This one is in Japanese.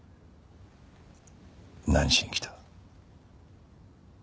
何しに来た？